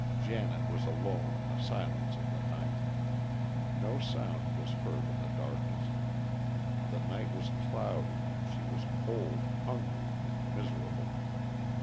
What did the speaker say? Janet was alone in the silence of the night. No sound was heard in the darkness. The night was cloudy, and she was cold, hungry, and miserable.